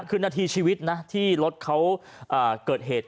คือนาทีชีวิตนะที่รถเขาเกิดเหตุ